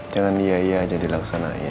jangan iya iya aja dilaksanakan